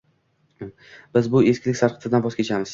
— biz bu eskilik sarqitidan voz kechamiz.